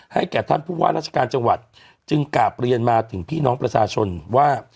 แก่ท่านผู้ว่าราชการจังหวัดจึงกราบเรียนมาถึงพี่น้องประชาชนว่า